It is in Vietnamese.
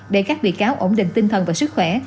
để các bị cáo ổn định tinh thần và sức khỏe